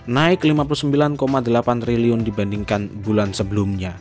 naik rp lima puluh sembilan delapan triliun dibandingkan bulan sebelumnya